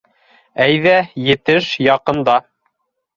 Әйҙә, етеш, яҡында.